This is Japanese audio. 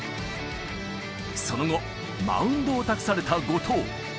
その後、マウンドを託された後藤。